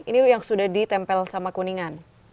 ini yang sudah ditempel sama kuningan